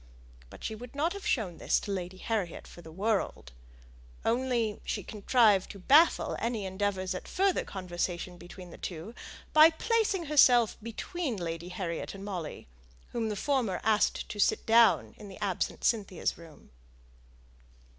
But she would not have shown this to Lady Harriet for the world; only she contrived to baffle any endeavours at further conversation between the two, by placing herself betwixt Lady Harriet and Molly, whom the former asked to sit down in the absent Cynthia's room.